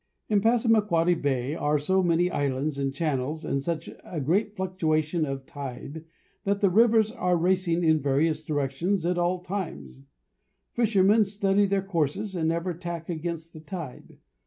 In Passamaquoddy bay are so many islands and channels and such a great fluctuation of tide that the waters are racing in various directions at all times. Fishermen study their courses and never tack against the tide.